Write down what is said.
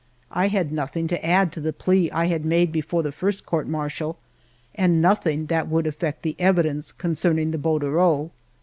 I had nothing to add to the plea I had made before the first Court Martial, and nothing that would affect the evidence concerning the bordereau.